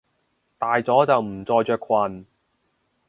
大咗就唔再着裙！